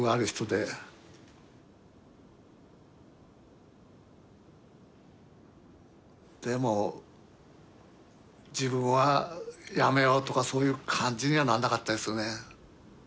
でも自分はやめようとかそういう感じにはなんなかったですよね。